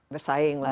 bersaing lah ya